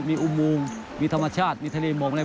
มีอุโมงมีธรรมชาติมีทะเลหมอกอะไร